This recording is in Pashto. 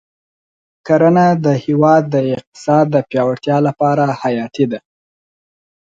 کرنه د هېواد د اقتصاد د پیاوړتیا لپاره حیاتي ده.